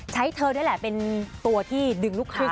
ใช้เธอด้วยแหละเป็นตัวที่ดึงลูกค้า